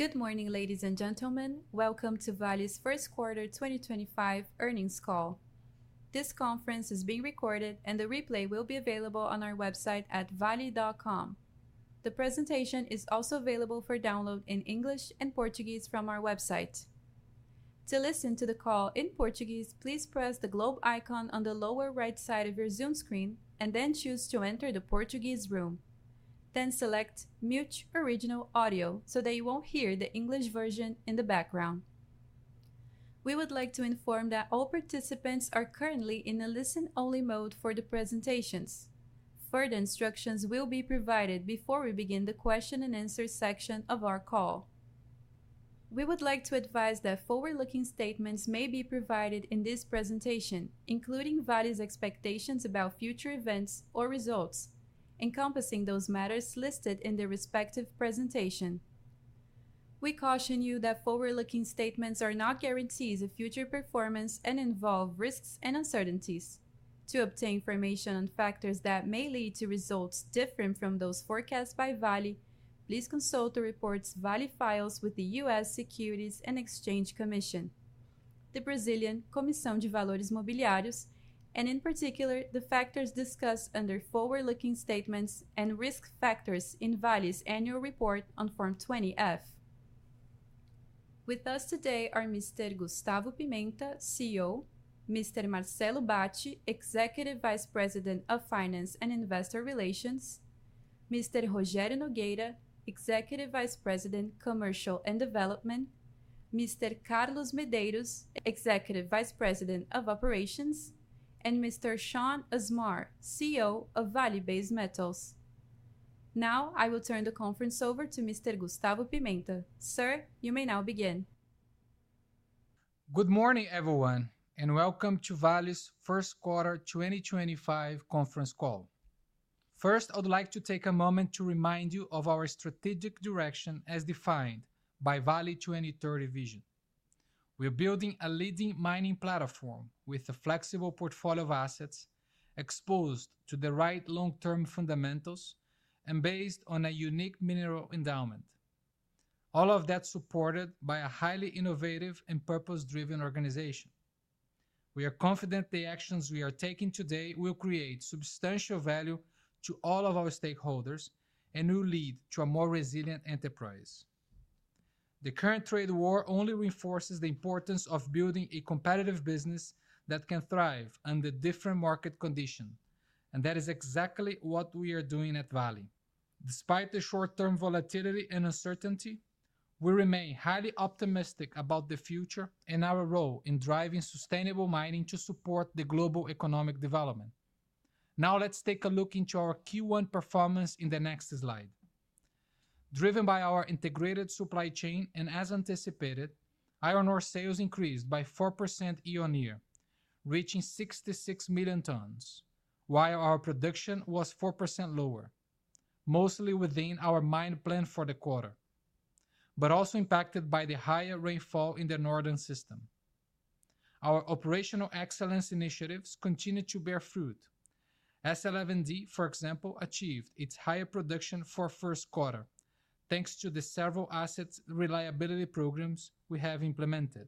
Good morning, ladies and gentlemen. Welcome to Vale's First Quarter 2025 earnings call. This conference is being recorded, and the replay will be available on our website at vale.com. The presentation is also available for download in English and Portuguese from our website. To listen to the call in Portuguese, please press the globe icon on the lower right side of your Zoom screen and then choose to enter the Portuguese room. Select "Mute Original Audio" so that you will not hear the English version in the background. We would like to inform that all participants are currently in a listen-only mode for the presentations. Further instructions will be provided before we begin the question-and-answer section of our call. We would like to advise that forward-looking statements may be provided in this presentation, including Vale's expectations about future events or results, encompassing those matters listed in the respective presentation. We caution you that forward-looking statements are not guarantees of future performance and involve risks and uncertainties. To obtain information on factors that may lead to results different from those forecast by Vale, please consult the reports Vale files with the U.S. Securities and Exchange Commission, the Brazilian Comissão de Valores Mobiliários, and in particular, the factors discussed under forward-looking statements and risk factors in Vale's annual report on Form 20-F. With us today are Mr. Gustavo Pimenta, CEO; Mr. Marcelo Bacci, Executive Vice President of Finance and Investor Relations; Mr. Rogério Nogueira, Executive Vice President, Commercial and Development; Mr. Carlos Medeiros, Executive Vice President of Operations; and Mr. Shn Usmar, CEO of Vale Base Metals. Now, I will turn the conference over to Mr. Gustavo Pimenta. Sir, you may now begin. Good morning, everyone, and welcome to Vale's First Quarter 2025 conference call. First, I would like to take a moment to remind you of our strategic direction as defined by Vale 2030 vision. We are building a leading mining platform with a flexible portfolio of assets exposed to the right long-term fundamentals and based on a unique mineral endowment, all of that supported by a highly innovative and purpose-driven organization. We are confident the actions we are taking today will create substantial value to all of our stakeholders and will lead to a more resilient enterprise. The current trade war only reinforces the importance of building a competitive business that can thrive under different market conditions, and that is exactly what we are doing at Vale. Despite the short-term volatility and uncertainty, we remain highly optimistic about the future and our role in driving sustainable mining to support the global economic development. Now, let's take a look into our Q1 performance in the next slide. Driven by our integrated supply chain and as anticipated, iron ore sales increased by 4% year on year, reaching 66 million tons, while our production was 4% lower, mostly within our mining plan for the quarter, but also impacted by the higher rainfall in the northern system. Our operational excellence initiatives continue to bear fruit. S11D, for example, achieved its higher production for the first quarter thanks to the several asset reliability programs we have implemented.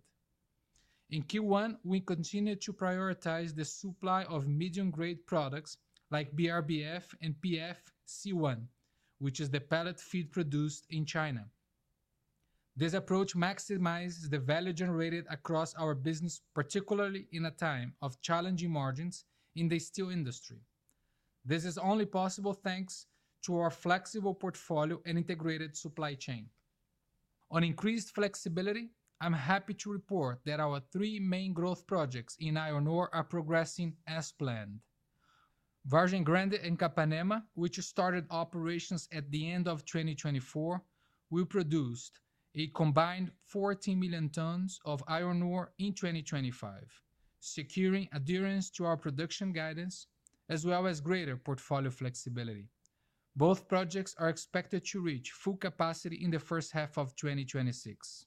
In Q1, we continue to prioritize the supply of medium-grade products like BRBF and PFC1, which is the pellet feed produced in China. This approach maximizes the value generated across our business, particularly in a time of challenging margins in the steel industry. This is only possible thanks to our flexible portfolio and integrated supply chain. On increased flexibility, I'm happy to report that our three main growth projects in iron ore are progressing as planned. Virgin Grande and Capanema, which started operations at the end of 2024, will produce a combined 14 million tons of iron ore in 2025, securing adherence to our production guidance as well as greater portfolio flexibility. Both projects are expected to reach full capacity in the first half of 2026.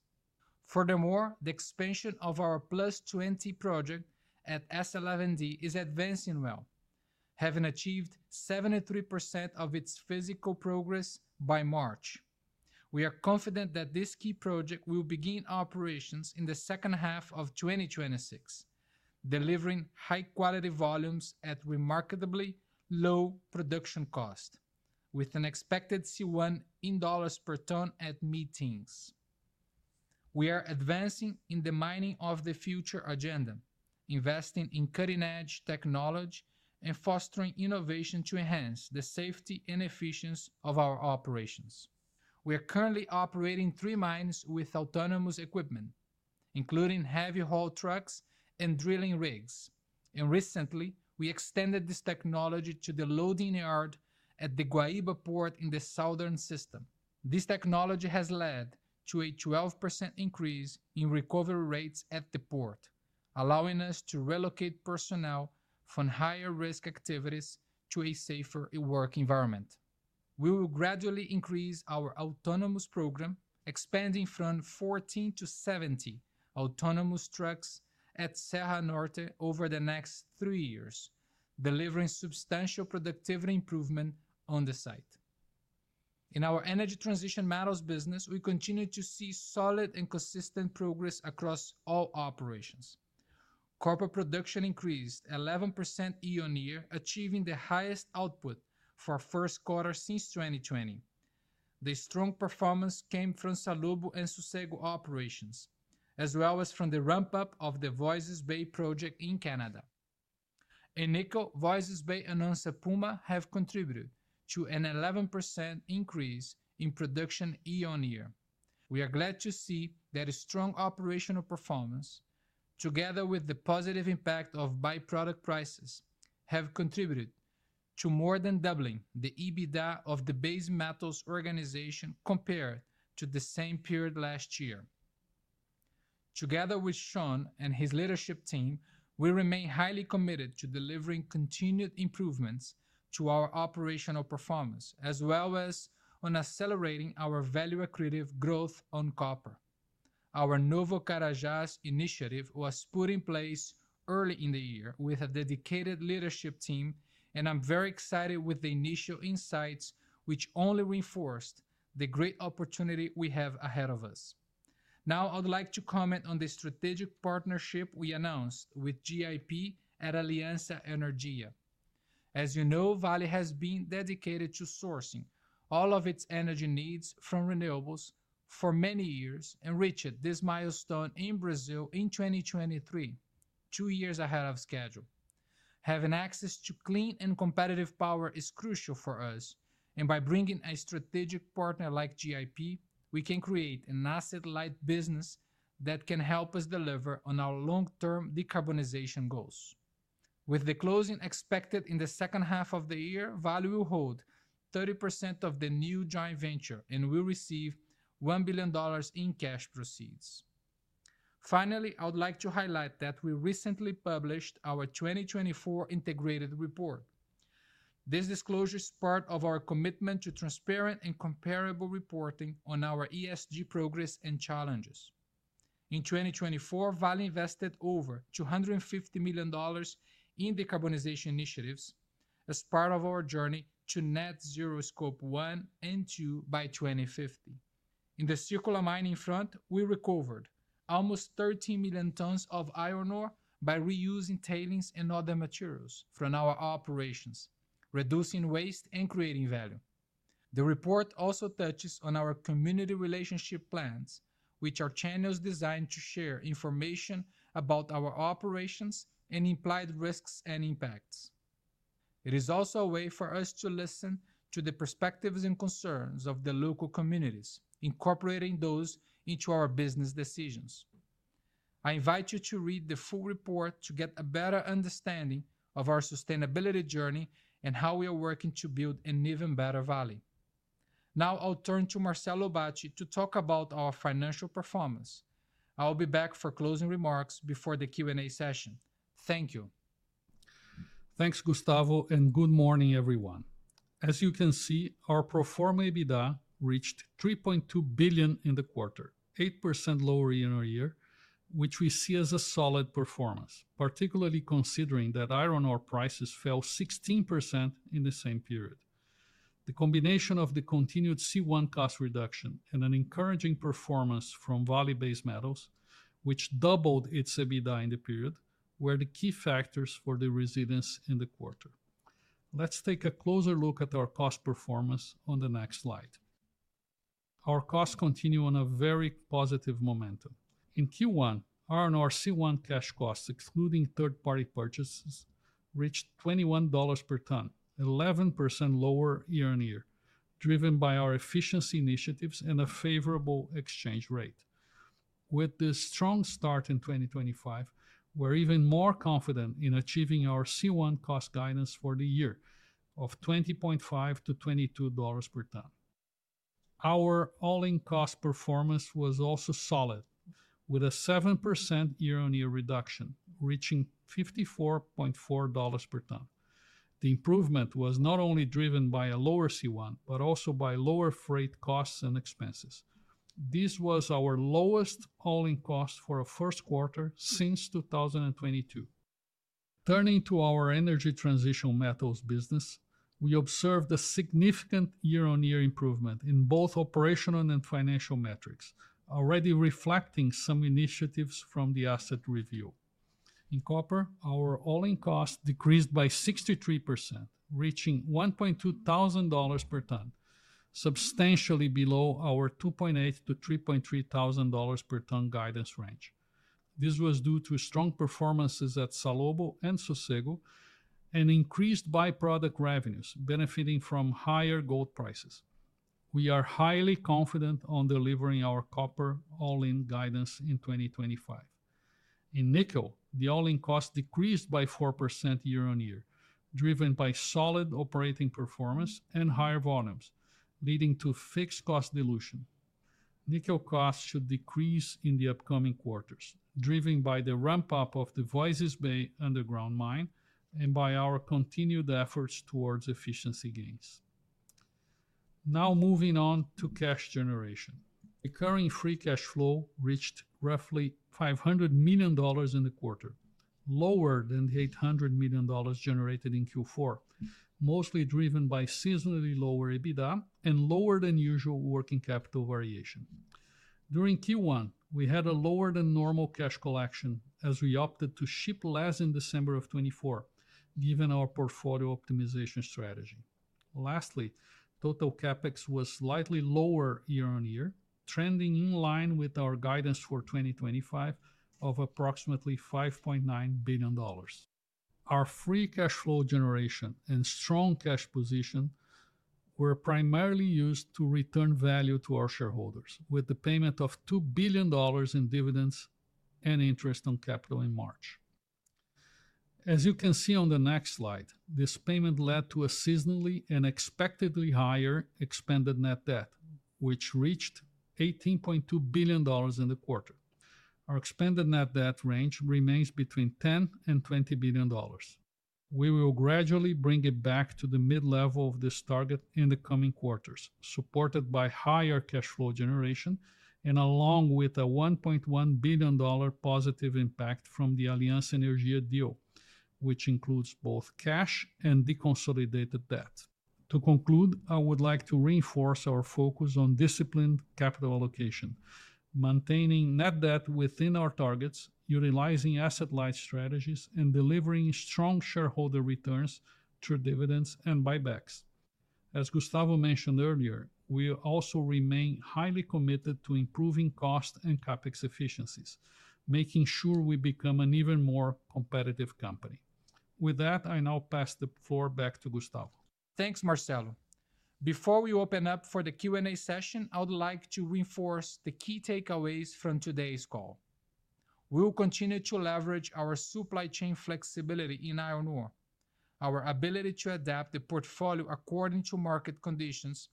Furthermore, the expansion of our Plus 20 project at S11D is advancing well, having achieved 73% of its physical progress by March. We are confident that this key project will begin operations in the second half of 2026, delivering high-quality volumes at remarkably low production cost, with an expected C1 in dollars per ton at meetings. We are advancing in the mining of the future agenda, investing in cutting-edge technology and fostering innovation to enhance the safety and efficiency of our operations. We are currently operating three mines with autonomous equipment, including heavy haul trucks and drilling rigs, and recently, we extended this technology to the loading yard at the Guaíba port in the southern system. This technology has led to a 12% increase in recovery rates at the port, allowing us to relocate personnel from higher-risk activities to a safer work environment. We will gradually increase our autonomous program, expanding from 14 to 70 autonomous trucks at Serra Norte over the next three years, delivering substantial productivity improvement on the site. In our energy transition metals business, we continue to see solid and consistent progress across all operations. Copper production increased 11% year on year, achieving the highest output for the first quarter since 2020. The strong performance came from Salobo and Sossego operations, as well as from the ramp-up of the Voisey's Bay project in Canada. Nickel, Voisey's Bay, and Onça Puma have contributed to an 11% increase in production year on year. We are glad to see that strong operational performance, together with the positive impact of byproduct prices, have contributed to more than doubling the EBITDA of the Base Metals organization compared to the same period last year. Together with Sean and his leadership team, we remain highly committed to delivering continued improvements to our operational performance, as well as on accelerating our value-accretive growth on copper. Our Novo Carajás initiative was put in place early in the year with a dedicated leadership team, and I'm very excited with the initial insights, which only reinforced the great opportunity we have ahead of us. Now, I would like to comment on the strategic partnership we announced with GIP and Aliança Energia. As you know, Vale has been dedicated to sourcing all of its energy needs from renewables for many years and reached this milestone in Brazil in 2023, two years ahead of schedule. Having access to clean and competitive power is crucial for us, and by bringing a strategic partner like GIP, we can create an asset-light business that can help us deliver on our long-term decarbonization goals. With the closing expected in the second half of the year, Vale will hold 30% of the new joint venture and will receive $1 billion in cash proceeds. Finally, I would like to highlight that we recently published our 2024 integrated report. This disclosure is part of our commitment to transparent and comparable reporting on our ESG progress and challenges. In 2024, Vale invested over $250 million in decarbonization initiatives as part of our journey to net zero scope one and two by 2050. In the circular mining front, we recovered almost 13 million tons of iron ore by reusing tailings and other materials from our operations, reducing waste and creating value. The report also touches on our community relationship plans, which are channels designed to share information about our operations and implied risks and impacts. It is also a way for us to listen to the perspectives and concerns of the local communities, incorporating those into our business decisions. I invite you to read the full report to get a better understanding of our sustainability journey and how we are working to build an even better Vale. Now, I'll turn to Marcelo Bacci to talk about our financial performance. I'll be back for closing remarks before the Q&A session. Thank you. Thanks, Gustavo, and good morning, everyone. As you can see, our pro forma EBITDA reached $3.2 billion in the quarter, 8% lower year on year, which we see as a solid performance, particularly considering that iron ore prices fell 16% in the same period. The combination of the continued C1 cost reduction and an encouraging performance from Vale Base Metals, which doubled its EBITDA in the period, were the key factors for the resilience in the quarter. Let's take a closer look at our cost performance on the next slide. Our costs continue on a very positive momentum. In Q1, iron ore C1 cash costs, excluding third-party purchases, reached $21 per ton, 11% lower year on year, driven by our efficiency initiatives and a favorable exchange rate. With the strong start in 2025, we're even more confident in achieving our C1 cost guidance for the year of $20.5-$22 per ton. Our all-in cost performance was also solid, with a 7% year-on-year reduction, reaching $54.4 per ton. The improvement was not only driven by a lower C1, but also by lower freight costs and expenses. This was our lowest all-in cost for a first quarter since 2022. Turning to our energy transition metals business, we observed a significant year-on-year improvement in both operational and financial metrics, already reflecting some initiatives from the asset review. In copper, our all-in cost decreased by 63%, reaching $1.20 per ton, substantially below our $2.8-$3.30 per ton guidance range. This was due to strong performances at Salobo and Sossego and increased byproduct revenues benefiting from higher gold prices. We are highly confident on delivering our copper all-in guidance in 2025. In nickel, the all-in cost decreased by 4% year on year, driven by solid operating performance and higher volumes, leading to fixed cost dilution. Nickel costs should decrease in the upcoming quarters, driven by the ramp-up of the Voisey's Bay underground mine and by our continued efforts towards efficiency gains. Now, moving on to cash generation. Recurring free cash flow reached roughly $500 million in the quarter, lower than the $800 million generated in Q4, mostly driven by seasonally lower EBITDA and lower than usual working capital variation. During Q1, we had a lower than normal cash collection as we opted to ship less in December of 2024, given our portfolio optimization strategy. Lastly, total CapEx was slightly lower year on year, trending in line with our guidance for 2025 of approximately $5.9 billion. Our free cash flow generation and strong cash position were primarily used to return value to our shareholders, with the payment of $2 billion in dividends and interest on capital in March. As you can see on the next slide, this payment led to a seasonally and expectedly higher expanded net debt, which reached $18.2 billion in the quarter. Our expanded net debt range remains between $10 billion and $20 billion. We will gradually bring it back to the mid-level of this target in the coming quarters, supported by higher cash flow generation and along with a $1.1 billion positive impact from the Aliança Energia deal, which includes both cash and deconsolidated debt. To conclude, I would like to reinforce our focus on disciplined capital allocation, maintaining net debt within our targets, utilizing asset-light strategies, and delivering strong shareholder returns through dividends and buybacks. As Gustavo mentioned earlier, we also remain highly committed to improving cost and CapEx efficiencies, making sure we become an even more competitive company. With that, I now pass the floor back to Gustavo. Thanks, Marcelo. Before we open up for the Q&A session, I would like to reinforce the key takeaways from today's call. We will continue to leverage our supply chain flexibility in iron ore. Our ability to adapt the portfolio according to market conditions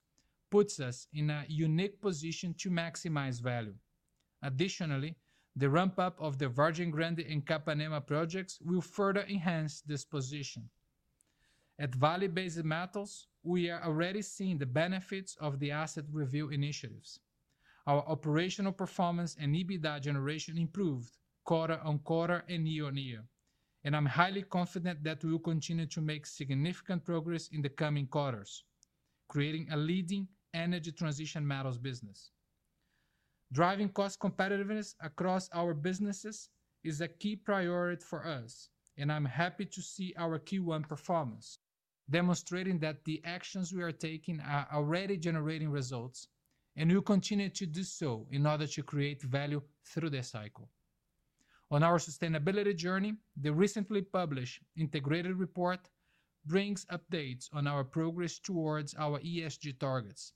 puts us in a unique position to maximize value. Additionally, the ramp-up of the Virgin Grande and Capanema projects will further enhance this position. At Vale Base Metals, we are already seeing the benefits of the asset review initiatives. Our operational performance and EBITDA generation improved quarter on quarter and year on year, and I'm highly confident that we will continue to make significant progress in the coming quarters, creating a leading energy transition metals business. Driving cost competitiveness across our businesses is a key priority for us, and I'm happy to see our Q1 performance demonstrating that the actions we are taking are already generating results and will continue to do so in order to create value through the cycle. On our sustainability journey, the recently published integrated report brings updates on our progress towards our ESG targets.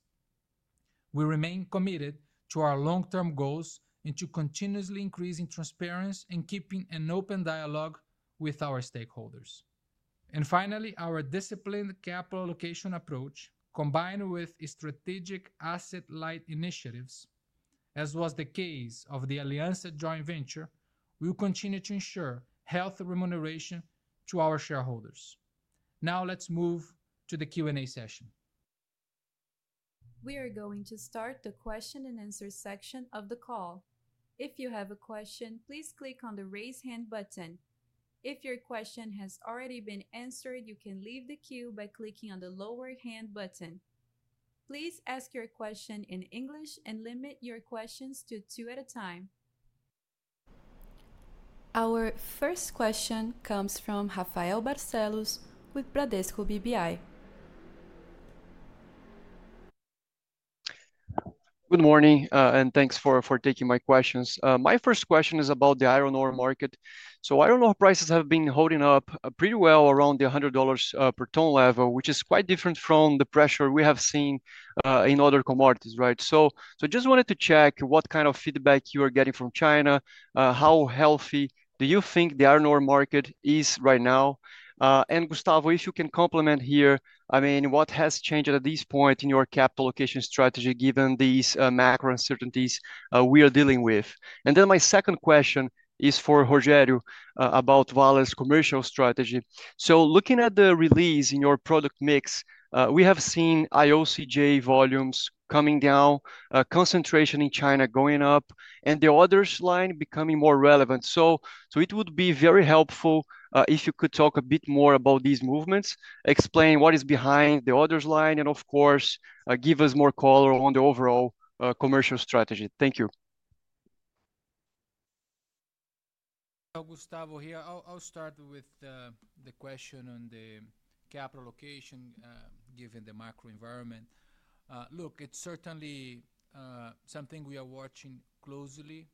We remain committed to our long-term goals and to continuously increasing transparency and keeping an open dialogue with our stakeholders. Finally, our disciplined capital allocation approach, combined with strategic asset-light initiatives, as was the case of the Aliança Joint Venture, will continue to ensure healthy remuneration to our shareholders. Now, let's move to the Q&A session. We are going to start the question and answer section of the call. If you have a question, please click on the raise hand button. If your question has already been answered, you can leave the queue by clicking on the lower hand button. Please ask your question in English and limit your questions to two at a time. Our first question comes from Rafael Barcellos with Bradesco BBI. Good morning, and thanks for taking my questions. My first question is about the iron ore market. Iron ore prices have been holding up pretty well around the $100 per ton level, which is quite different from the pressure we have seen in other commodities, right? I just wanted to check what kind of feedback you are getting from China. How healthy do you think the iron ore market is right now? And Gustavo, if you can complement here, I mean, what has changed at this point in your capital allocation strategy given these macro uncertainties we are dealing with? My second question is for Rogério about Vale's commercial strategy. Looking at the release in your product mix, we have seen IOCJ volumes coming down, concentration in China going up, and the orders line becoming more relevant. It would be very helpful if you could talk a bit more about these movements, explain what is behind the orders line, and of course, give us more color on the overall commercial strategy. Thank you. Gustavo here. I'll start with the question on the capital allocation given the macro environment. Look, it's certainly something we are watching closely.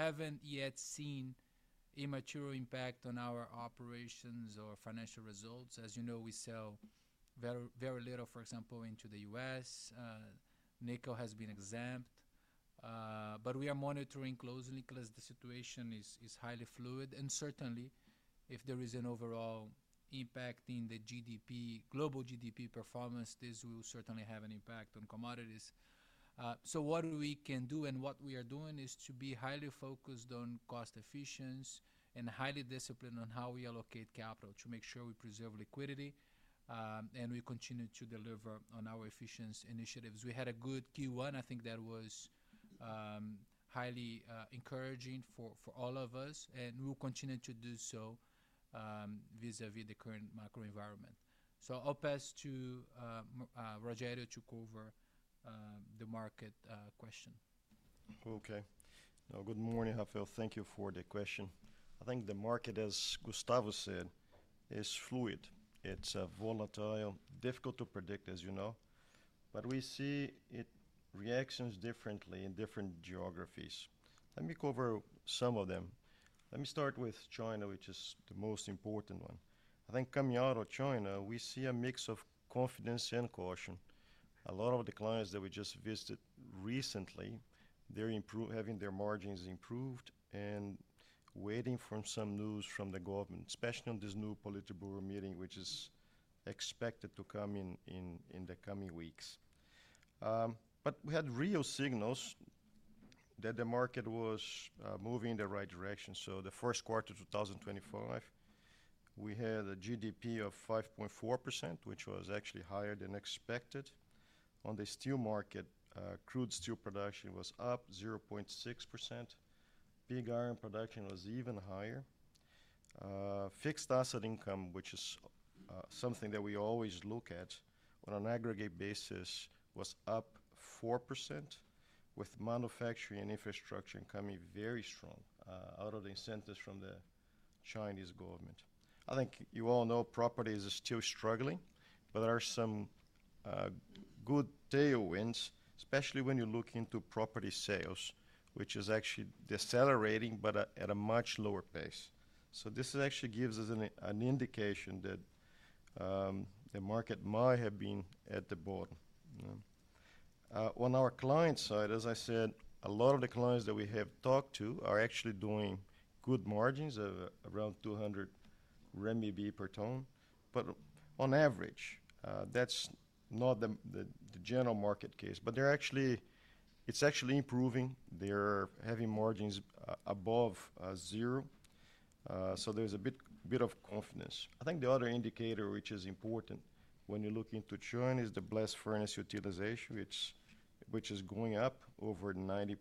We haven't yet seen a material impact on our operations or financial results. As you know, we sell very little, for example, into the U.S. Nickel has been exempt, but we are monitoring closely because the situation is highly fluid. If there is an overall impact in the global GDP performance, this will certainly have an impact on commodities. What we can do and what we are doing is to be highly focused on cost efficiency and highly disciplined on how we allocate capital to make sure we preserve liquidity and we continue to deliver on our efficiency initiatives. We had a good Q1. I think that was highly encouraging for all of us, and we will continue to do so vis-à-vis the current macro environment. I'll pass to Rogério to cover the market question. Okay. Now, good morning, Rafael. Thank you for the question. I think the market, as Gustavo said, is fluid. It's volatile, difficult to predict, as you know, but we see reactions differently in different geographies. Let me cover some of them. Let me start with China, which is the most important one. I think coming out of China, we see a mix of confidence and caution. A lot of the clients that we just visited recently, they're having their margins improved and waiting for some news from the government, especially on this new Politburo meeting, which is expected to come in the coming weeks. We had real signals that the market was moving in the right direction. The first quarter of 2025, we had a GDP of 5.4%, which was actually higher than expected. On the steel market, crude steel production was up 0.6%. Big iron production was even higher. Fixed asset income, which is something that we always look at on an aggregate basis, was up 4%, with manufacturing and infrastructure coming very strong out of the incentives from the Chinese government. I think you all know property is still struggling, but there are some good tailwinds, especially when you look into property sales, which is actually decelerating, but at a much lower pace. This actually gives us an indication that the market might have been at the bottom. On our client side, as I said, a lot of the clients that we have talked to are actually doing good margins of around 200 RMB per ton. On average, that is not the general market case, but it is actually improving. They are having margins above zero. There is a bit of confidence. I think the other indicator, which is important when you look into China, is the blast furnace utilization, which is going up over 90%.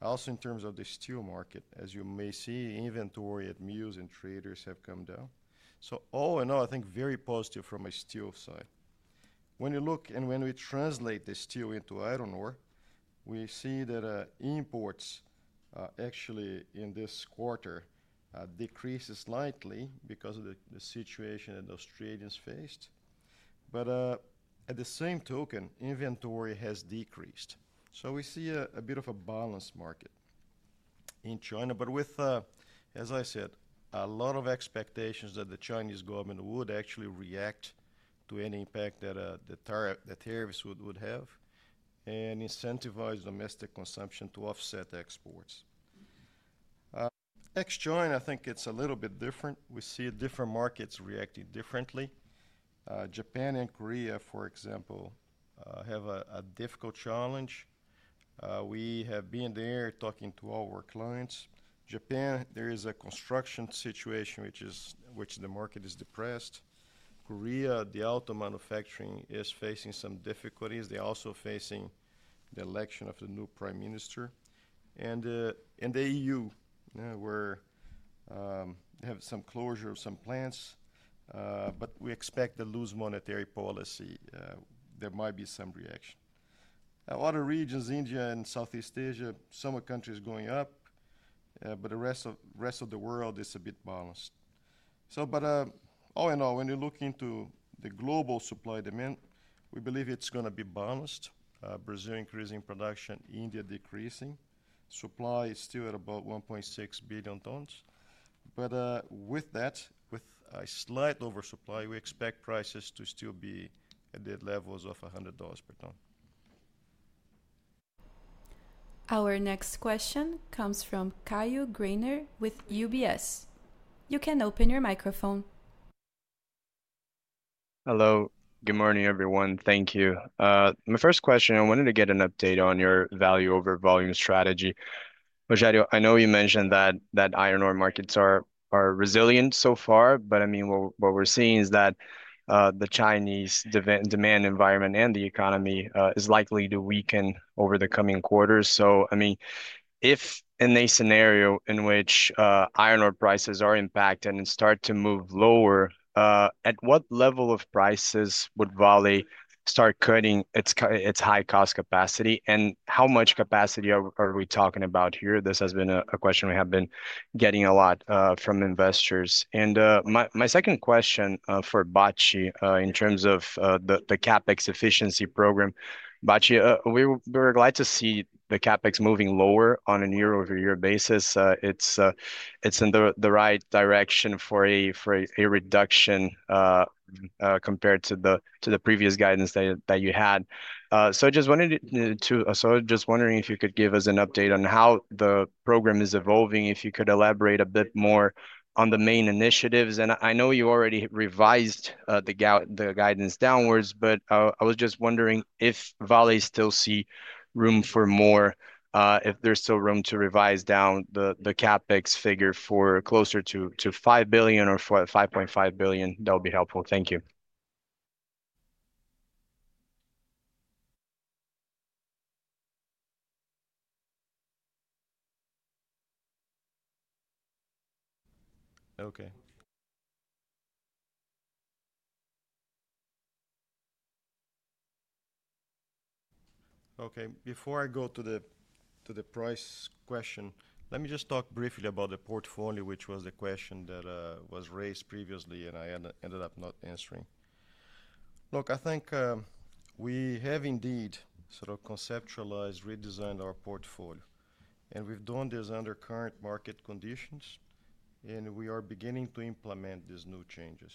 Also, in terms of the steel market, as you may see, inventory at mills and traders have come down. All in all, I think very positive from a steel side. When you look and when we translate the steel into iron ore, we see that imports actually in this quarter decreased slightly because of the situation that the Australians faced. At the same token, inventory has decreased. We see a bit of a balanced market in China, but with, as I said, a lot of expectations that the Chinese government would actually react to any impact that tariffs would have and incentivize domestic consumption to offset exports. Ex-China, I think it's a little bit different. We see different markets reacting differently. Japan and Korea, for example, have a difficult challenge. We have been there talking to all our clients. Japan, there is a construction situation, which the market is depressed. Korea, the auto manufacturing, is facing some difficulties. They're also facing the election of the new prime minister. The EU, where they have some closure of some plants, but we expect the loose monetary policy. There might be some reaction. Other regions, India and Southeast Asia, some of the countries going up, but the rest of the world is a bit balanced. All in all, when you look into the global supply demand, we believe it's going to be balanced. Brazil increasing production, India decreasing. Supply is still at about 1.6 billion tons. With that, with a slight oversupply, we expect prices to still be at the levels of $100 per ton. Our next question comes from Caio Greiner with UBS. You can open your microphone. Hello. Good morning, everyone. Thank you. My first question, I wanted to get an update on your value over volume strategy. Rogério, I know you mentioned that iron ore markets are resilient so far, but I mean, what we're seeing is that the Chinese demand environment and the economy is likely to weaken over the coming quarters. I mean, if in a scenario in which iron ore prices are impacted and start to move lower, at what level of prices would Vale start cutting its high-cost capacity? And how much capacity are we talking about here? This has been a question we have been getting a lot from investors. My second question for Bacci, in terms of the CapEx efficiency program, Bacci, we're glad to see the CapEx moving lower on a year-over-year basis. It's in the right direction for a reduction compared to the previous guidance that you had. I just wanted to, just wondering if you could give us an update on how the program is evolving, if you could elaborate a bit more on the main initiatives. I know you already revised the guidance downwards, but I was just wondering if Vale still sees room for more, if there's still room to revise down the CapEx figure for closer to $5 billion or $5.5 billion, that would be helpful. Thank you. Okay. Okay. Before I go to the price question, let me just talk briefly about the portfolio, which was the question that was raised previously and I ended up not answering. Look, I think we have indeed sort of conceptualized, redesigned our portfolio, and we've done this under current market conditions, and we are beginning to implement these new changes.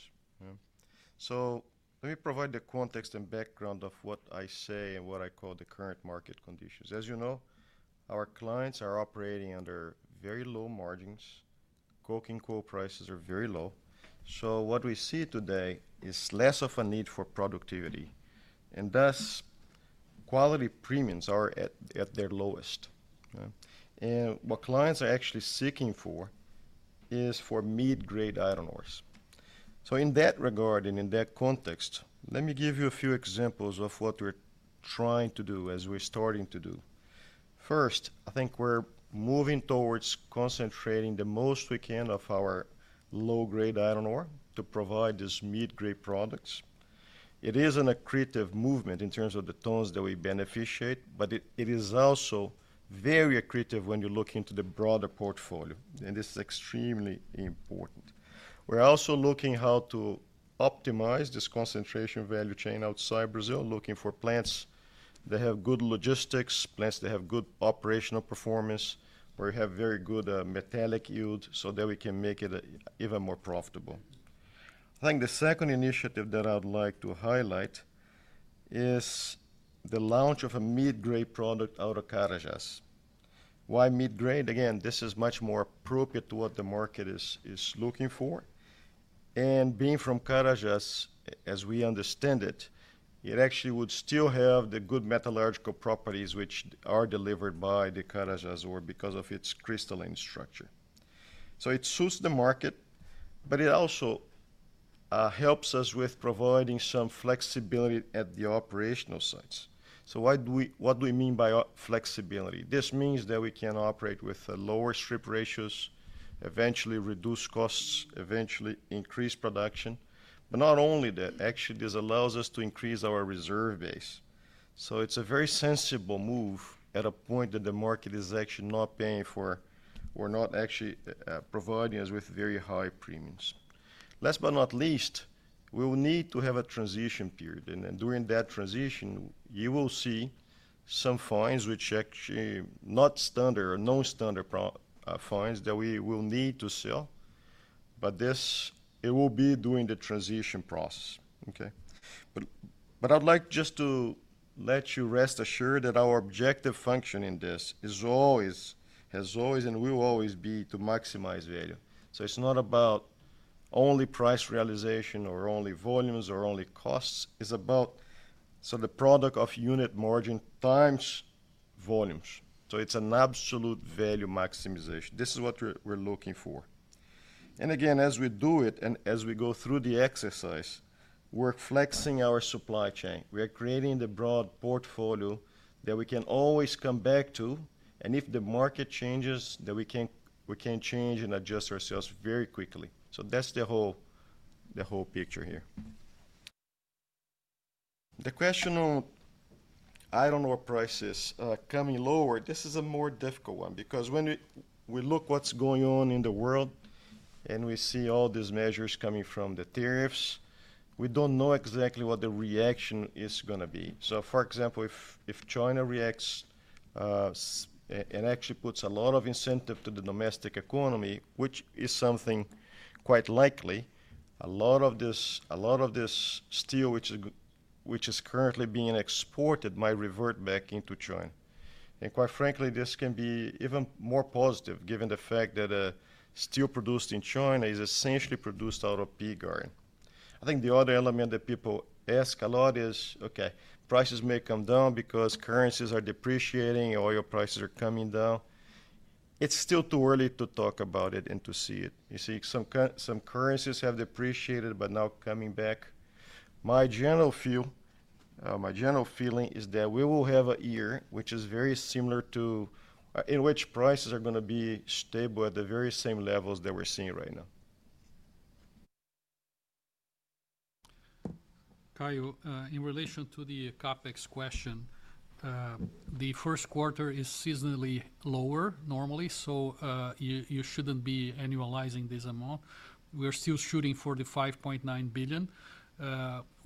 Let me provide the context and background of what I say and what I call the current market conditions. As you know, our clients are operating under very low margins. Coke and coal prices are very low. What we see today is less of a need for productivity, and thus quality premiums are at their lowest. What clients are actually seeking for is for mid-grade iron ores. In that regard and in that context, let me give you a few examples of what we're trying to do as we're starting to do. First, I think we're moving towards concentrating the most we can of our low-grade iron ore to provide these mid-grade products. It is an accretive movement in terms of the tons that we beneficiate, but it is also very accretive when you look into the broader portfolio, and this is extremely important. We're also looking at how to optimize this concentration value chain outside Brazil, looking for plants that have good logistics, plants that have good operational performance, where we have very good metallic yield so that we can make it even more profitable. I think the second initiative that I'd like to highlight is the launch of a mid-grade product out of Carajás. Why mid-grade? Again, this is much more appropriate to what the market is looking for. Being from Carajás, as we understand it, it actually would still have the good metallurgical properties which are delivered by the Carajás ore because of its crystalline structure. It suits the market, but it also helps us with providing some flexibility at the operational sites. What do we mean by flexibility? This means that we can operate with lower strip ratios, eventually reduce costs, eventually increase production. Not only that, actually, this allows us to increase our reserve base. It is a very sensible move at a point that the market is actually not paying for or not actually providing us with very high premiums. Last but not least, we will need to have a transition period. During that transition, you will see some fines, which are actually not standard or non-standard fines that we will need to sell, but this will be during the transition process. Okay? I'd like just to let you rest assured that our objective function in this has always and will always be to maximize value. It's not about only price realization or only volumes or only costs. It's about the product of unit margin times volumes. It's an absolute value maximization. This is what we're looking for. Again, as we do it and as we go through the exercise, we're flexing our supply chain. We are creating the broad portfolio that we can always come back to. If the market changes, then we can change and adjust ourselves very quickly. That's the whole picture here. The question on iron ore prices coming lower, this is a more difficult one because when we look at what's going on in the world and we see all these measures coming from the tariffs, we don't know exactly what the reaction is going to be. For example, if China reacts and actually puts a lot of incentive to the domestic economy, which is something quite likely, a lot of this steel, which is currently being exported, might revert back into China. Quite frankly, this can be even more positive given the fact that steel produced in China is essentially produced out of pig iron. I think the other element that people ask a lot is, okay, prices may come down because currencies are depreciating, oil prices are coming down. It's still too early to talk about it and to see it. You see, some currencies have depreciated, but now coming back. My general feeling is that we will have a year which is very similar to in which prices are going to be stable at the very same levels that we're seeing right now. Caio, in relation to the CapEx question, the first quarter is seasonally lower normally, so you should not be annualizing this amount. We are still shooting for the $5.9 billion.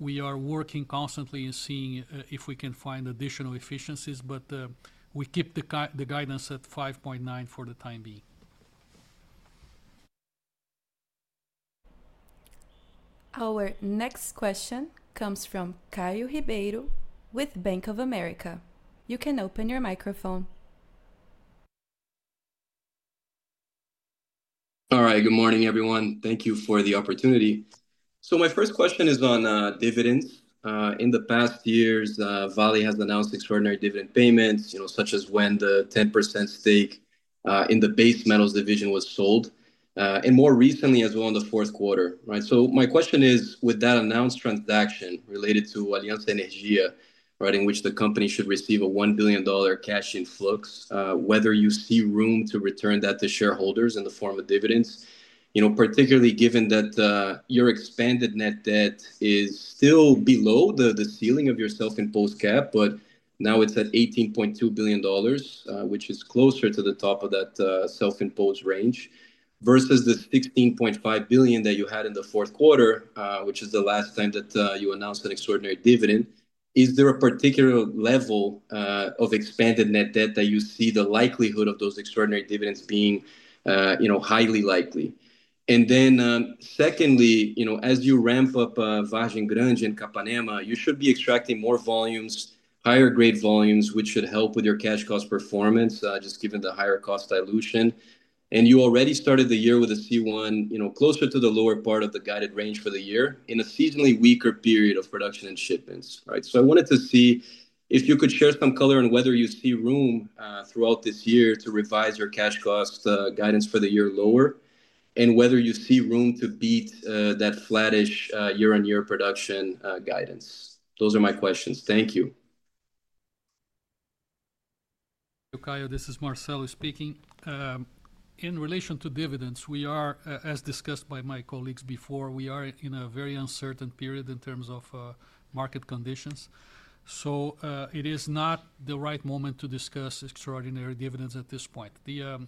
We are working constantly and seeing if we can find additional efficiencies, but we keep the guidance at $5.9 billion for the time being. Our next question comes from Caio Ribeiro with Bank of America. You can open your microphone. All right. Good morning, everyone. Thank you for the opportunity. My first question is on dividends. In the past years, Vale has announced extraordinary dividend payments, such as when the 10% stake in the base metals division was sold, and more recently as well in the fourth quarter. My question is, with that announced transaction related to Aliança Energia, in which the company should receive a $1 billion cash influx, whether you see room to return that to shareholders in the form of dividends, particularly given that your expanded net debt is still below the ceiling of your self-imposed cap, but now it's at $18.2 billion, which is closer to the top of that self-imposed range, versus the $16.5 billion that you had in the fourth quarter, which is the last time that you announced an extraordinary dividend. Is there a particular level of expanded net debt that you see the likelihood of those extraordinary dividends being highly likely? Secondly, as you ramp up Vale Grande and Capanema, you should be extracting more volumes, higher-grade volumes, which should help with your cash cost performance, just given the higher cost dilution. You already started the year with a C1 closer to the lower part of the guided range for the year in a seasonally weaker period of production and shipments. I wanted to see if you could share some color on whether you see room throughout this year to revise your cash cost guidance for the year lower and whether you see room to beat that flattish year-on-year production guidance. Those are my questions. Thank you. Caio, this is Marcelo speaking. In relation to dividends, we are, as discussed by my colleagues before, we are in a very uncertain period in terms of market conditions. It is not the right moment to discuss extraordinary dividends at this point. The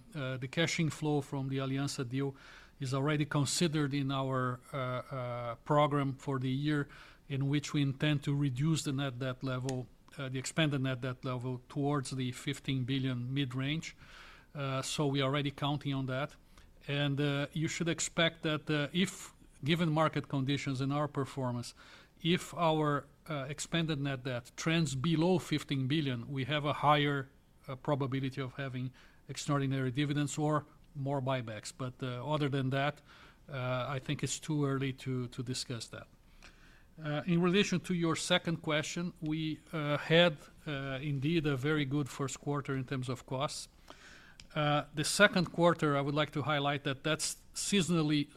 cash inflow from the Aliança deal is already considered in our program for the year in which we intend to reduce the net debt level, the expanded net debt level towards the $15 billion mid-range. We are already counting on that. You should expect that if, given market conditions and our performance, if our expanded net debt trends below $15 billion, we have a higher probability of having extraordinary dividends or more buybacks. Other than that, I think it's too early to discuss that. In relation to your second question, we had indeed a very good first quarter in terms of costs. The second quarter, I would like to highlight that that's seasonally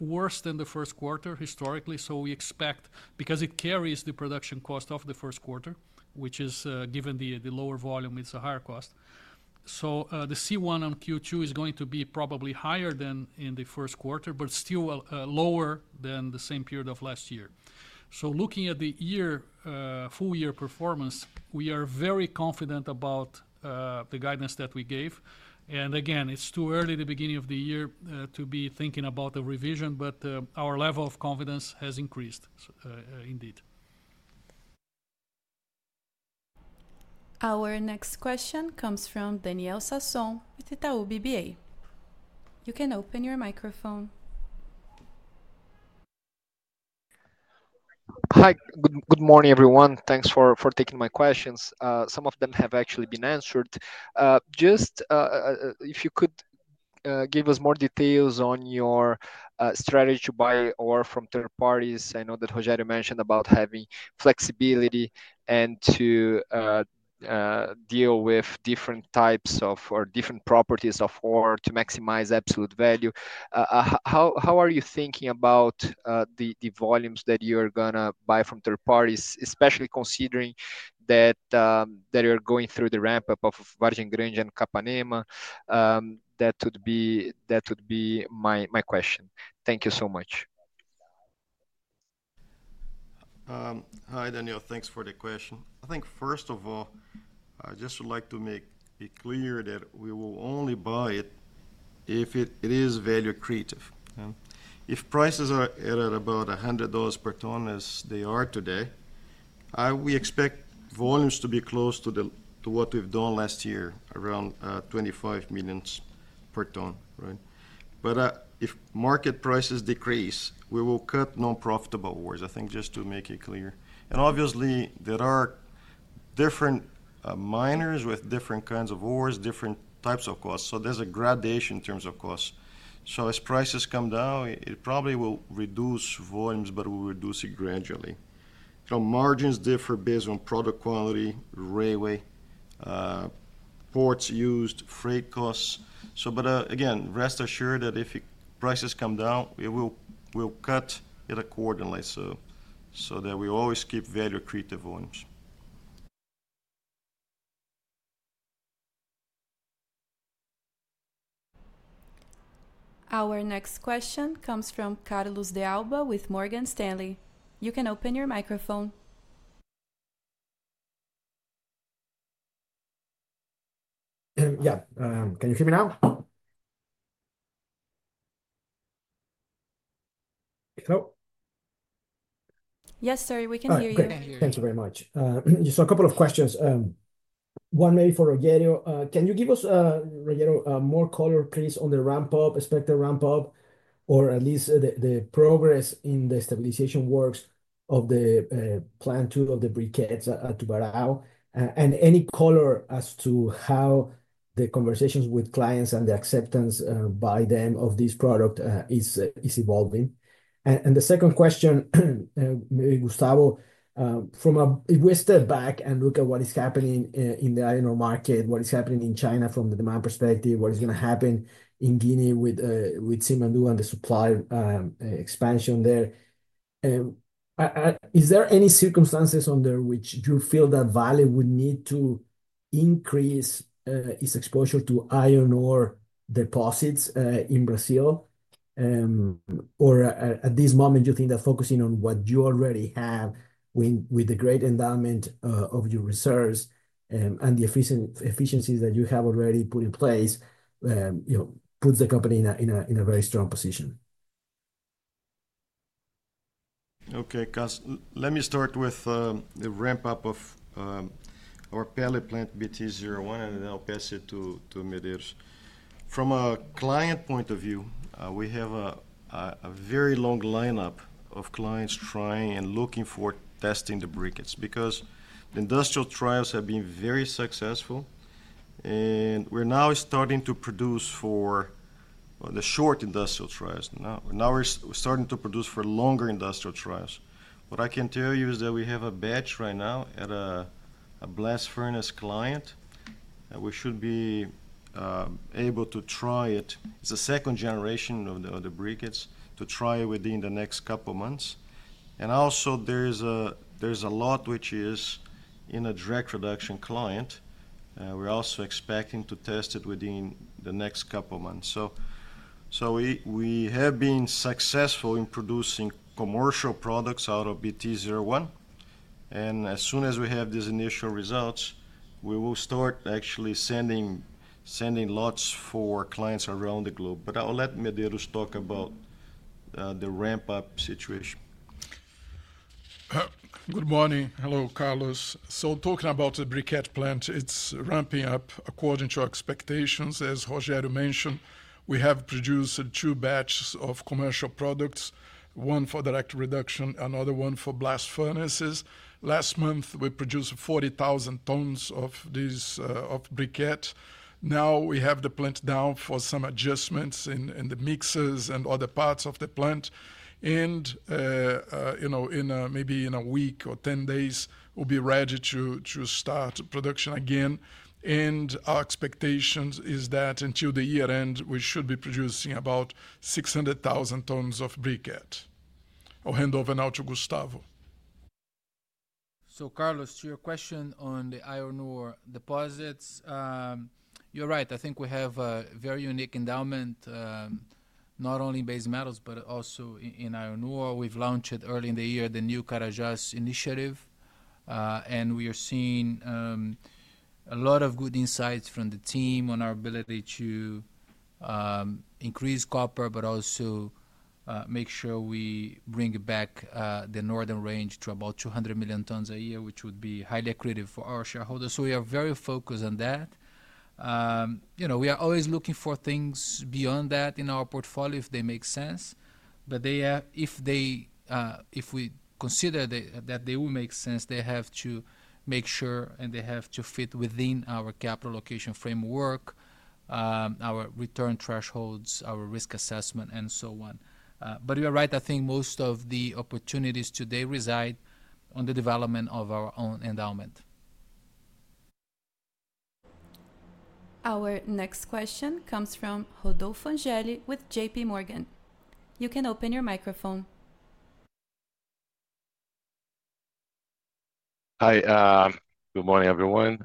worse than the first quarter historically. We expect, because it carries the production cost of the first quarter, which is given the lower volume, it's a higher cost. The C1 on Q2 is going to be probably higher than in the first quarter, but still lower than the same period of last year. Looking at the full-year performance, we are very confident about the guidance that we gave. Again, it's too early at the beginning of the year to be thinking about a revision, but our level of confidence has increased indeed. Our next question comes from Daniel Sasson with Itaú BBA. You can open your microphone. Hi. Good morning, everyone. Thanks for taking my questions. Some of them have actually been answered. Just if you could give us more details on your strategy to buy ore from third parties. I know that Rogério mentioned about having flexibility and to deal with different types of ore or different properties of ore to maximize absolute value. How are you thinking about the volumes that you are going to buy from third parties, especially considering that you're going through the ramp-up of Vale Grande and Capanema? That would be my question. Thank you so much. Hi, Daniel. Thanks for the question. I think, first of all, I just would like to make it clear that we will only buy it if it is value accretive. If prices are at about $100 per ton as they are today, we expect volumes to be close to what we've done last year, around 25 million per ton. If market prices decrease, we will cut non-profitable ores, I think, just to make it clear. Obviously, there are different miners with different kinds of ores, different types of costs. There is a gradation in terms of costs. As prices come down, it probably will reduce volumes, but we will reduce it gradually. Margins differ based on product quality, railway, ports used, freight costs. Again, rest assured that if prices come down, we will cut it accordingly so that we always keep value-accretive volumes. Our next question comes from Carlos de Alba with Morgan Stanley. You can open your microphone. Yeah. Can you hear me now? Hello? Yes, sir. We can hear you now. Thank you very much. Just a couple of questions. One maybe for Rogério. Can you give us, Rogério, more color, please, on the ramp-up, expected ramp-up, or at least the progress in the stabilization works of the plan two of the briquettes at Tubarão and any color as to how the conversations with clients and the acceptance by them of this product is evolving? The second question, Gustavo, if we step back and look at what is happening in the iron ore market, what is happening in China from the demand perspective, what is going to happen in Guinea with Simandou and the supply expansion there, is there any circumstances under which you feel that Vale would need to increase its exposure to iron ore deposits in Brazil? At this moment, you think that focusing on what you already have with the great endowment of your reserves and the efficiencies that you have already put in place puts the company in a very strong position? Okay. Let me start with the ramp-up of our Pellet Plant BT01, and then I'll pass it to Medeiros. From a client point of view, we have a very long lineup of clients trying and looking for testing the briquettes because the industrial trials have been very successful. We are now starting to produce for the short industrial trials. Now we're starting to produce for longer industrial trials. What I can tell you is that we have a batch right now at a blast furnace client. We should be able to try it. It's the second generation of the briquettes to try within the next couple of months. There is also a lot which is in a direct production client. We are also expecting to test it within the next couple of months. We have been successful in producing commercial products out of BT01. As soon as we have these initial results, we will start actually sending lots for clients around the globe. I'll let Medeiros talk about the ramp-up situation. Good morning. Hello, Carlos. Talking about the briquette plant, it's ramping up according to expectations. As Rogério mentioned, we have produced two batches of commercial products, one for direct production, another one for blast furnaces. Last month, we produced 40,000 tons of briquettes. Now we have the plant down for some adjustments in the mixers and other parts of the plant. Maybe in a week or 10 days, we'll be ready to start production again. Our expectation is that until the year end, we should be producing about 600,000 tons of briquettes. I'll hand over now to Gustavo. Carlos, to your question on the iron ore deposits, you're right. I think we have a very unique endowment, not only in base metals, but also in iron ore. We have launched early in the year the new Carajás Initiative. We are seeing a lot of good insights from the team on our ability to increase copper, but also make sure we bring back the northern range to about 200 million tons a year, which would be highly accretive for our shareholders. We are very focused on that. We are always looking for things beyond that in our portfolio if they make sense. If we consider that they will make sense, they have to make sure and they have to fit within our capital allocation framework, our return thresholds, our risk assessment, and so on. You're right. I think most of the opportunities today reside on the development of our own endowment. Our next question comes from Rodolfo Angeli with JP Morgan. You can open your microphone. Hi. Good morning, everyone.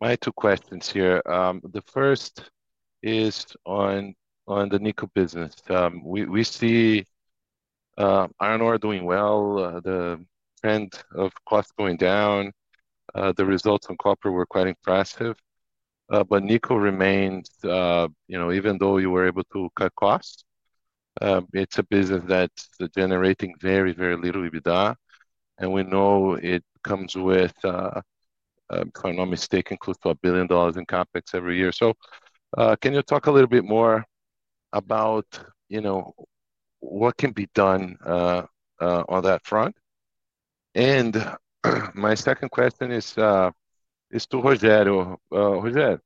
My two questions here. The first is on the nickel business. We see iron ore doing well, the trend of cost going down. The results on copper were quite impressive. But nickel remains, even though you were able to cut costs, it's a business that's generating very, very little EBITDA. And we know it comes with, if I'm not mistaken, close to $1 billion in CapEx every year. Can you talk a little bit more about what can be done on that front? My second question is to Rogério. Rogério,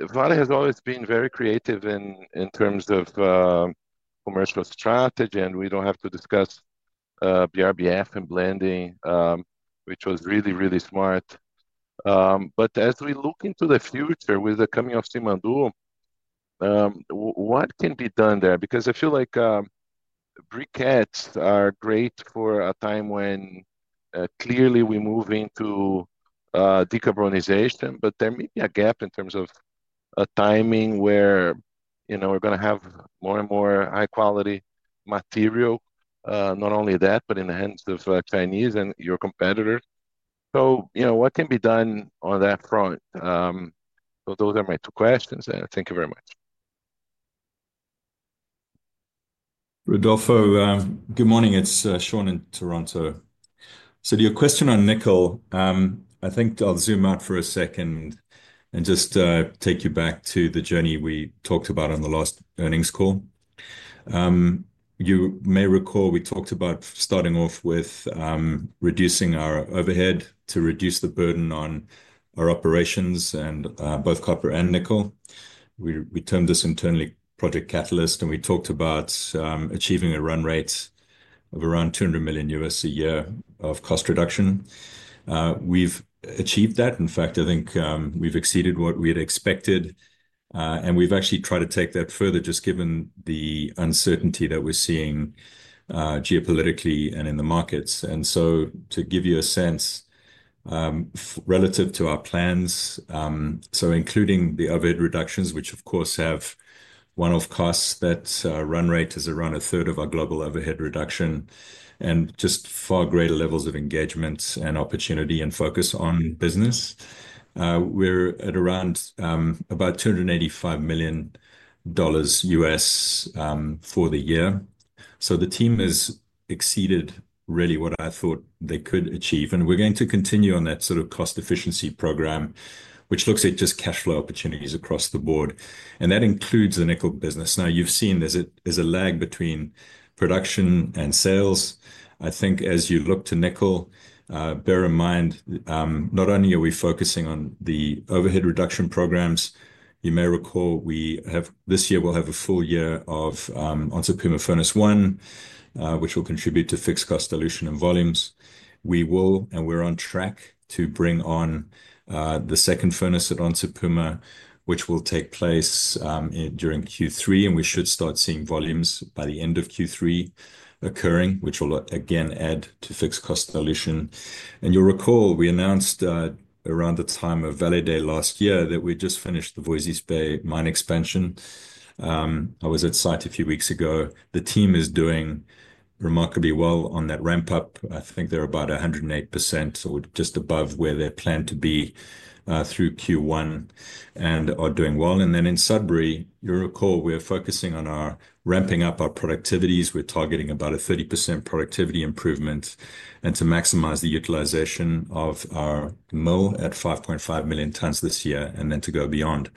Vale has always been very creative in terms of commercial strategy. We don't have to discuss BRBF and blending, which was really, really smart. As we look into the future with the coming of Simandou, what can be done there? Because I feel like briquettes are great for a time when clearly we move into decarbonization. There may be a gap in terms of a timing where we're going to have more and more high-quality material, not only that, but in the hands of Chinese and your competitors. What can be done on that front? Those are my two questions. Thank you very much. Rodolfo, good morning. It's Shaun in Toronto. Your question on nickel, I think I'll zoom out for a second and just take you back to the journey we talked about on the last earnings call. You may recall we talked about starting off with reducing our overhead to reduce the burden on our operations and both copper and nickel. We termed this internally Project Catalyst. We talked about achieving a run rate of around $200 million a year of cost reduction. We've achieved that. In fact, I think we've exceeded what we had expected. We've actually tried to take that further, just given the uncertainty that we're seeing geopolitically and in the markets. To give you a sense relative to our plans, including the overhead reductions, which, of course, have one-off costs, that run rate is around a third of our global overhead reduction and just far greater levels of engagement and opportunity and focus on business. We're at around about $285 million US for the year. The team has exceeded really what I thought they could achieve. We're going to continue on that sort of cost efficiency program, which looks at just cash flow opportunities across the board. That includes the nickel business. Now, you've seen there's a lag between production and sales. I think as you look to nickel, bear in mind, not only are we focusing on the overhead reduction programs, you may recall this year we'll have a full year of Onsipuma Furnace One, which will contribute to fixed cost dilution and volumes. We will, and we're on track to bring on the second furnace at Onça Puma, which will take place during Q3. We should start seeing volumes by the end of Q3 occurring, which will again add to fixed cost dilution. You'll recall we announced around the time of Vale Day last year that we just finished the Voisey's Bay mine expansion. I was at site a few weeks ago. The team is doing remarkably well on that ramp-up. I think they're about 108% or just above where they're planned to be through Q1 and are doing well. In Sudbury, you'll recall we're focusing on ramping up our productivities. We're targeting about a 30% productivity improvement and to maximize the utilization of our mill at 5.5 million tons this year and then to go beyond.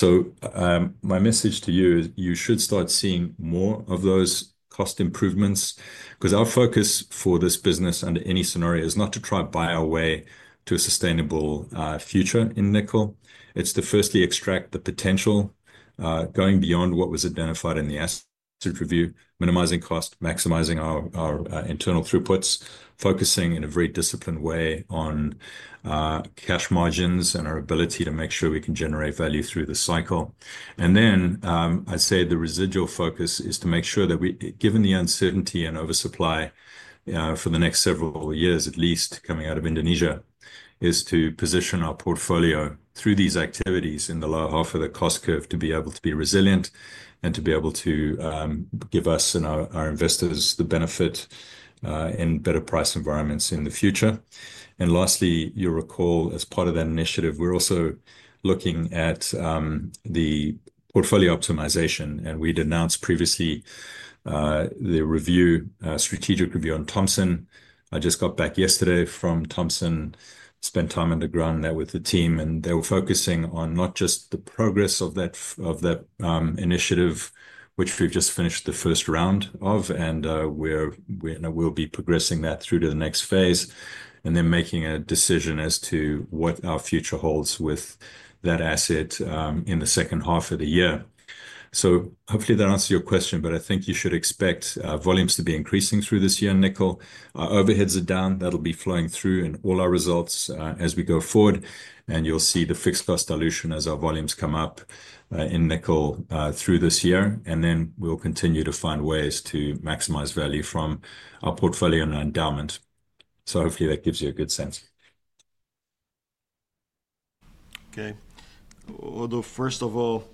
My message to you is you should start seeing more of those cost improvements because our focus for this business under any scenario is not to try and buy our way to a sustainable future in nickel. It's to firstly extract the potential going beyond what was identified in the asset review, minimizing cost, maximizing our internal throughputs, focusing in a very disciplined way on cash margins and our ability to make sure we can generate value through the cycle. I'd say the residual focus is to make sure that we, given the uncertainty and oversupply for the next several years, at least coming out of Indonesia, is to position our portfolio through these activities in the lower half of the cost curve to be able to be resilient and to be able to give us and our investors the benefit in better price environments in the future. Lastly, you'll recall as part of that initiative, we're also looking at the portfolio optimization. We'd announced previously the strategic review on Thomson. I just got back yesterday from Thomson, spent time underground with the team. They were focusing on not just the progress of that initiative, which we've just finished the first round of, and we'll be progressing that through to the next phase and then making a decision as to what our future holds with that asset in the second half of the year. Hopefully that answers your question. I think you should expect volumes to be increasing through this year in nickel. Our overheads are down. That'll be flowing through in all our results as we go forward. You'll see the fixed cost dilution as our volumes come up in nickel through this year. We will continue to find ways to maximize value from our portfolio and our endowment. Hopefully that gives you a good sense. Okay. Rodolfo, first of all,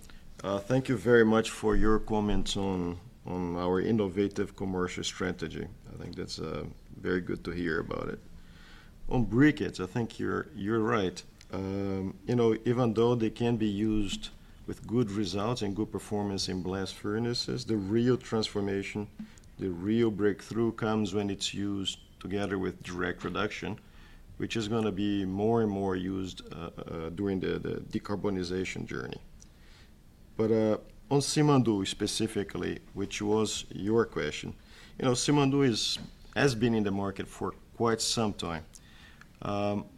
thank you very much for your comments on our innovative commercial strategy. I think that's very good to hear about it. On briquettes, I think you're right. Even though they can be used with good results and good performance in blast furnaces, the real transformation, the real breakthrough comes when it's used together with direct production, which is going to be more and more used during the decarbonization journey. On Simandou specifically, which was your question, Simandou has been in the market for quite some time.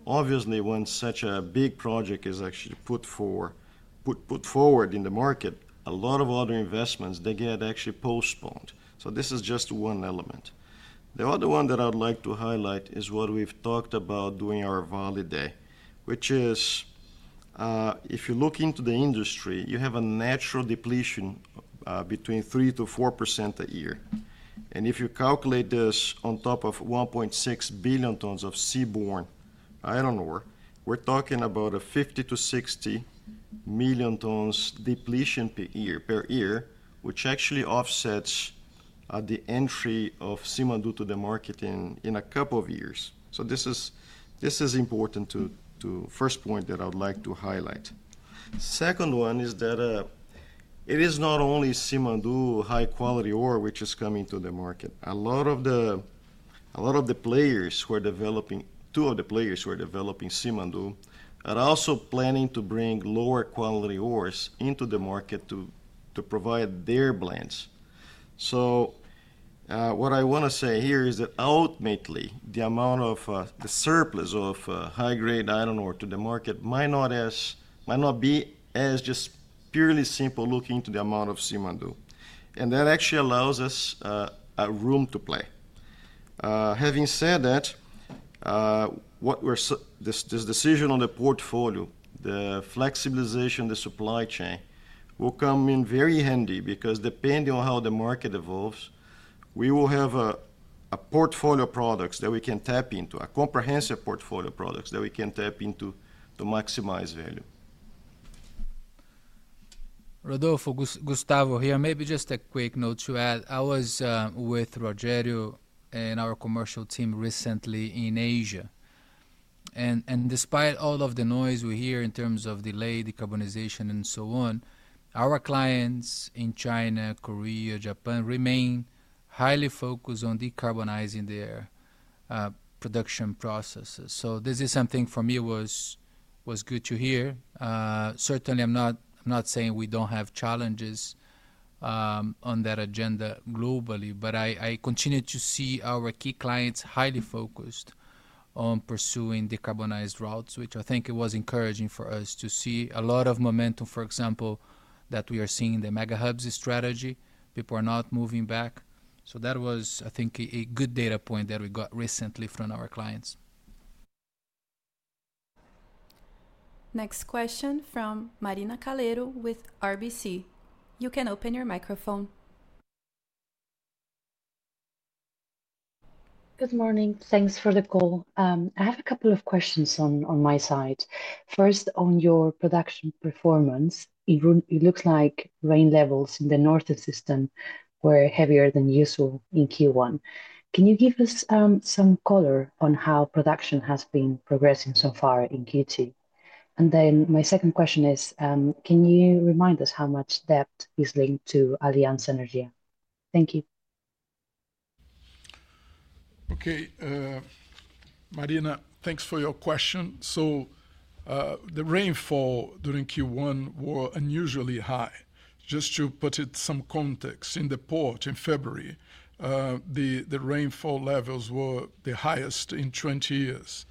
Obviously, when such a big project is actually put forward in the market, a lot of other investments, they get actually postponed. This is just one element. The other one that I'd like to highlight is what we've talked about during our Vale Day, which is if you look into the industry, you have a natural depletion between 3% to 4% a year. If you calculate this on top of 1.6 billion tons of seaborne iron ore, we're talking about a 50-60 million tons depletion per year, which actually offsets the entry of Simandou to the market in a couple of years. This is important to the first point that I'd like to highlight. The second one is that it is not only Simandou, high-quality ore, which is coming to the market. A lot of the players who are developing, two of the players who are developing Simandou, are also planning to bring lower quality ores into the market to provide their blends. What I want to say here is that ultimately, the amount of the surplus of high-grade iron ore to the market might not be as just purely simple looking to the amount of Simandou. That actually allows us a room to play. Having said that, this decision on the portfolio, the flexibilization of the supply chain, will come in very handy because depending on how the market evolves, we will have a portfolio of products that we can tap into, a comprehensive portfolio of products that we can tap into to maximize value. Rodolfo, Gustavo here, maybe just a quick note to add. I was with Rogério and our commercial team recently in Asia. Despite all of the noise we hear in terms of delay, decarbonization, and so on, our clients in China, Korea, Japan remain highly focused on decarbonizing their production processes. This is something for me was good to hear. Certainly, I'm not saying we don't have challenges on that agenda globally. I continue to see our key clients highly focused on pursuing decarbonized routes, which I think it was encouraging for us to see a lot of momentum, for example, that we are seeing in the mega hubs strategy. People are not moving back. That was, I think, a good data point that we got recently from our clients. Next question from Marina Calero with RBC. You can open your microphone. Good morning. Thanks for the call. I have a couple of questions on my side. First, on your production performance, it looks like rain levels in the northern system were heavier than usual in Q1. Can you give us some color on how production has been progressing so far in Q2? My second question is, can you remind us how much debt is linked to Aliança Energia? Thank you. Okay. Marina, thanks for your question. The rainfall during Q1 was unusually high. Just to put it in some context, in the port in February, the rainfall levels were the highest in 20 years.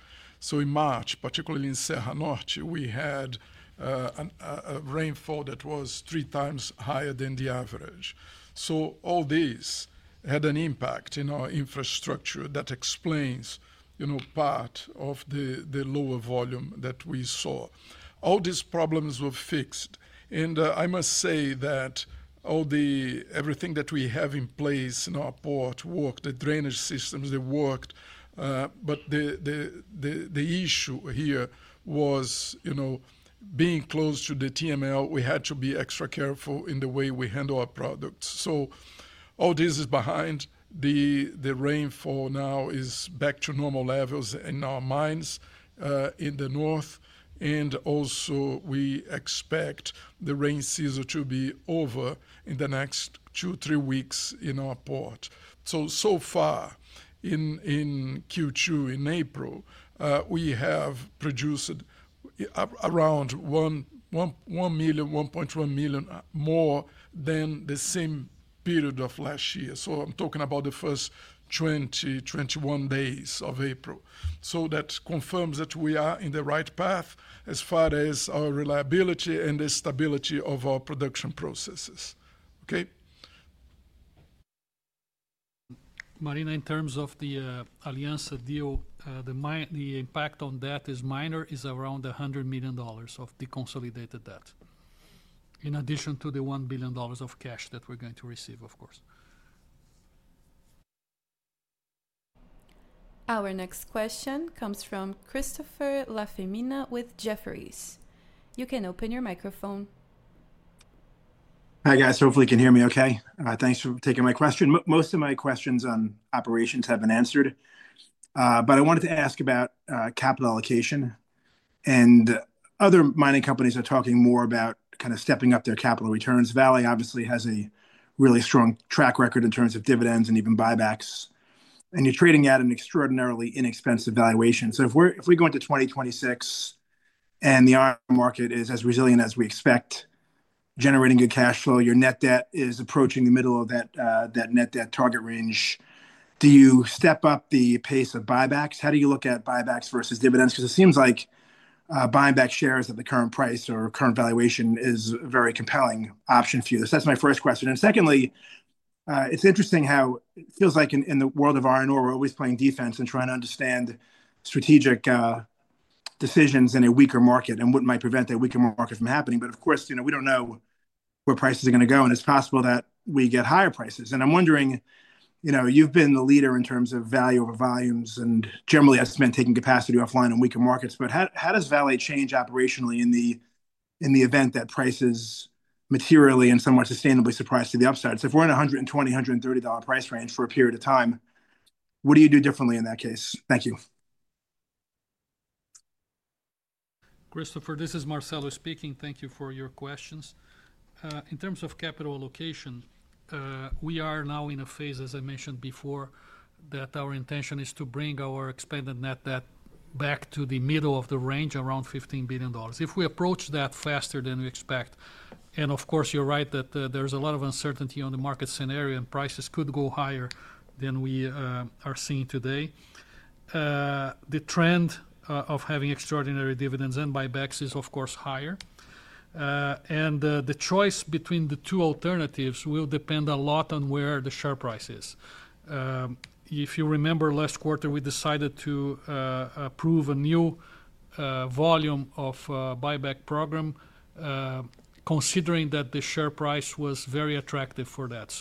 In March, particularly in Serra Norte, we had a rainfall that was three times higher than the average. All these had an impact in our infrastructure that explains part of the lower volume that we saw. All these problems were fixed. I must say that everything that we have in place in our port worked, the drainage systems, they worked. The issue here was being close to the TML, we had to be extra careful in the way we handle our products. All this is behind. The rainfall now is back to normal levels in our mines in the north. We expect the rain season to be over in the next two to three weeks in our port. So far, in Q2, in April, we have produced around 1.1 million more than the same period of last year. I'm talking about the first 20 to 21 days of April. That confirms that we are on the right path as far as our reliability and the stability of our production processes. Okay. Marina, in terms of the Aliança deal, the impact on debt is minor, is around $100 million of the consolidated debt, in addition to the $1 billion of cash that we're going to receive, of course. Our next question comes from Christopher La Femina with Jefferies. You can open your microphone. Hi, guys. Hopefully, you can hear me okay. Thanks for taking my question. Most of my questions on operations have been answered. I wanted to ask about capital allocation. Other mining companies are talking more about kind of stepping up their capital returns. Vale obviously has a really strong track record in terms of dividends and even buybacks. You're trading at an extraordinarily inexpensive valuation. If we go into 2026 and the market is as resilient as we expect, generating good cash flow, your net debt is approaching the middle of that net debt target range. Do you step up the pace of buybacks? How do you look at buybacks versus dividends? It seems like buying back shares at the current price or current valuation is a very compelling option for you. That's my first question. Secondly, it's interesting how it feels like in the world of iron ore, we're always playing defense and trying to understand strategic decisions in a weaker market and what might prevent that weaker market from happening. Of course, we don't know where prices are going to go. It's possible that we get higher prices. I'm wondering, you've been the leader in terms of value over volume and generally estimate taking capacity offline in weaker markets. How does Vale change operationally in the event that prices materially and somewhat sustainably surprise to the upside? If we're in a $120-$130 price range for a period of time, what do you do differently in that case? Thank you. Christopher, this is Marcelo speaking. Thank you for your questions. In terms of capital allocation, we are now in a phase, as I mentioned before, that our intention is to bring our expanded net debt back to the middle of the range, around $15 billion. If we approach that faster than we expect. Of course, you're right that there's a lot of uncertainty on the market scenario and prices could go higher than we are seeing today. The trend of having extraordinary dividends and buybacks is, of course, higher. The choice between the two alternatives will depend a lot on where the share price is. If you remember, last quarter, we decided to approve a new volume of buyback program, considering that the share price was very attractive for that.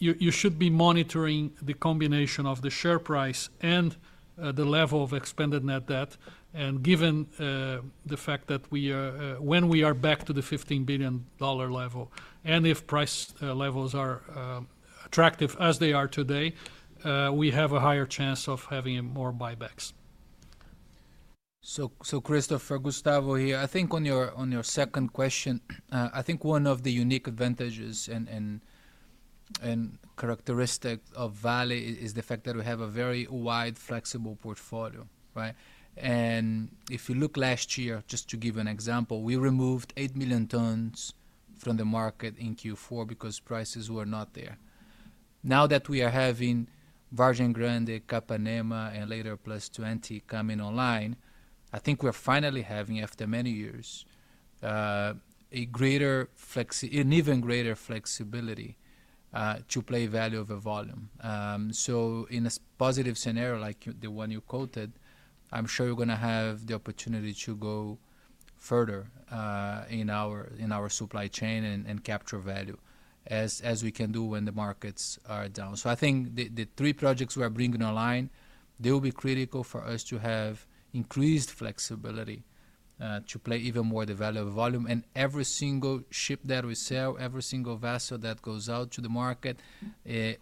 You should be monitoring the combination of the share price and the level of expanded net debt. Given the fact that when we are back to the $15 billion level and if price levels are attractive as they are today, we have a higher chance of having more buybacks. Christopher, Gustavo here, I think on your second question, I think one of the unique advantages and characteristics of Vale is the fact that we have a very wide, flexible portfolio. If you look last year, just to give an example, we removed 8 million tons from the market in Q4 because prices were not there. Now that we are having Virgin Grande, Capanema, and later Plus 20 coming online, I think we're finally having, after many years, an even greater flexibility to play value over volume. In a positive scenario like the one you quoted, I'm sure you're going to have the opportunity to go further in our supply chain and capture value as we can do when the markets are down. I think the three projects we are bringing online, they will be critical for us to have increased flexibility to play even more the value over volume. Every single ship that we sell, every single vessel that goes out to the market,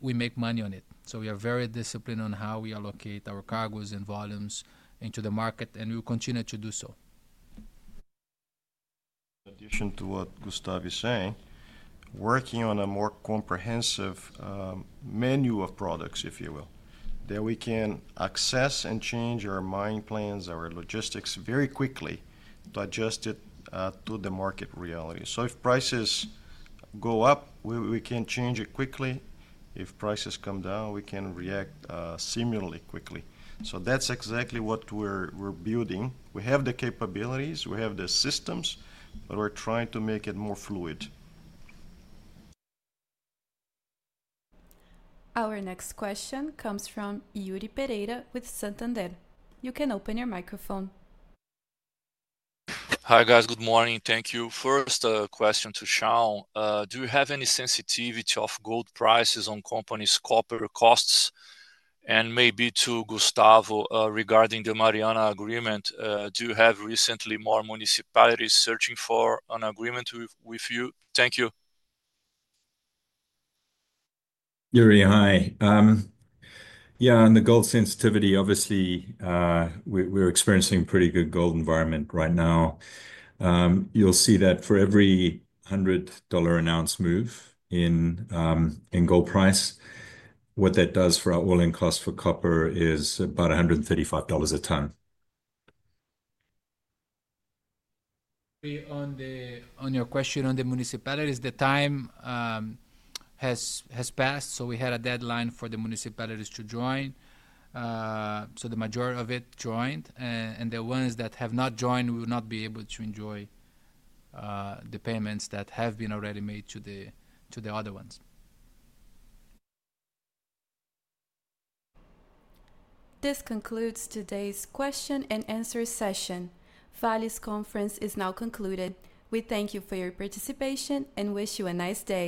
we make money on it. We are very disciplined on how we allocate our cargoes and volumes into the market. We will continue to do so. In addition to what Gustavo is saying, working on a more comprehensive menu of products, if you will, that we can access and change our mine plans, our logistics very quickly to adjust it to the market reality. If prices go up, we can change it quickly. If prices come down, we can react similarly quickly. That is exactly what we are building. We have the capabilities. We have the systems. We are trying to make it more fluid. Our next question comes from Yuri Pereira with Santander. You can open your microphone. Hi, guys. Good morning. Thank you. First question to Shaun. Do you have any sensitivity of gold prices on companies' copper costs? Maybe to Gustavo regarding the Mariana agreement. Do you have recently more municipalities searching for an agreement with you? Thank you. Yuri, hi. Yeah, on the gold sensitivity, obviously, we're experiencing a pretty good gold environment right now. You'll see that for every $100 an ounce move in gold price, what that does for our all-in cost for copper is about $135 a ton. On your question on the municipalities, the time has passed. We had a deadline for the municipalities to join. The majority of it joined. The ones that have not joined will not be able to enjoy the payments that have been already made to the other ones. This concludes today's question and answer session. Vale's conference is now concluded. We thank you for your participation and wish you a nice day.